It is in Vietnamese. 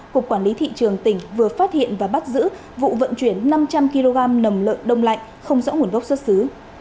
cục quản lý thị trường tỉnh vừa phát hiện và bắt giữ vụ vận chuyển năm trăm linh kg nầm lợn đông lạnh không rõ nguồn gốc xuất xứ